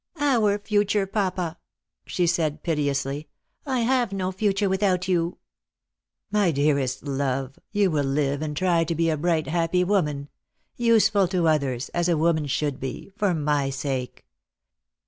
" Our future, papa," she said piteously ;" I have no future without you." " My dearest love, you will live and try to be a bright happy woman — useful to others, as a woman should be — for my sake.